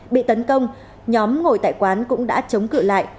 bị tấn công nhóm ngồi tại quán cũng đã chống cự lại